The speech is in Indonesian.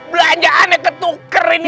belanjaan yang ketuker ini